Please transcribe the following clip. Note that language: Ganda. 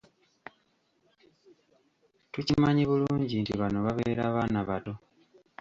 Tukimanyi bulungi nti bano babeera baana bato.